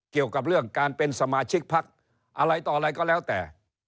เกี่ยวกับเรื่องการเป็นสมาชิกพักอะไรต่ออะไรก็แล้วแต่